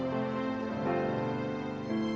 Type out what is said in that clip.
mau tak tahu beni